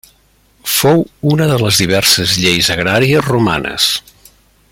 Fou una de les diverses lleis agràries romanes.